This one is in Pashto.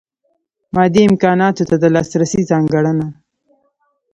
مادي امکاناتو ته د لاسرسۍ ځانګړنه.